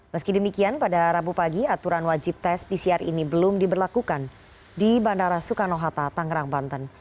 meski demikian pada rabu pagi aturan wajib tes pcr ini belum diberlakukan di bandara soekarno hatta tangerang banten